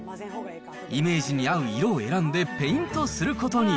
イメージに合う色を選んでペイントすることに。